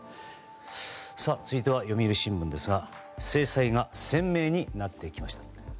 続いては、読売新聞ですが制裁が鮮明になってきました。